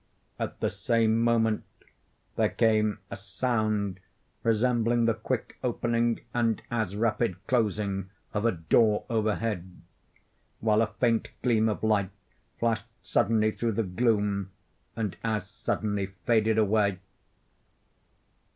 At the same moment there came a sound resembling the quick opening, and as rapid closing of a door overhead, while a faint gleam of light flashed suddenly through the gloom, and as suddenly faded away.